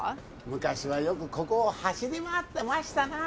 昔はよくここを走り回ってましたな